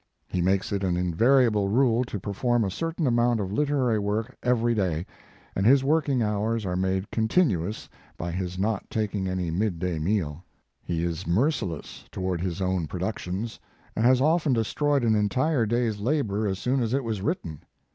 He makes it an invariable rule to perform a certain amount of literary work every day, and his working hours are made continuous by his not taking any midday meal. He is mercilous toward his own productions, and has often destroyed an entire day s labor as soon as it was written.